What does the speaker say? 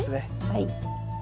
はい。